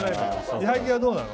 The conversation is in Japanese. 矢作はどうなの？